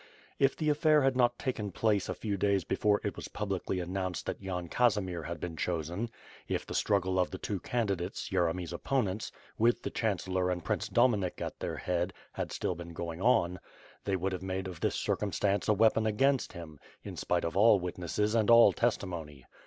If the affair had not taken place a few days before it was publicly announced that Yan Casimir had been chosen; if the struggle of the two candidates, Yeremy^s opponents, with the chancellor and Prince Dominik at their head, had still been going on, they would have made of this circumstance a weapon against him, in spite of all witnesses and all testimony.